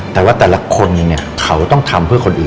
แต่ว่าแต่ละคนเองเนี่ยเขาต้องทำเพื่อคนอื่น